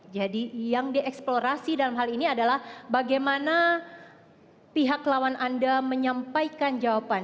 jadi yang dieksplorasi dalam hal ini adalah bagaimana pihak lawan anda menyampaikan jawaban